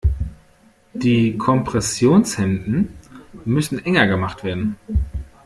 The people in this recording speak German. Die Kompressionshemden müssen enger gemacht werden.